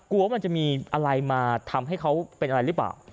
ว่ามันจะมีอะไรมาทำให้เขาเป็นอะไรหรือเปล่า